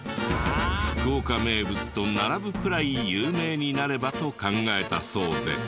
福岡名物と並ぶくらい有名になればと考えたそうで。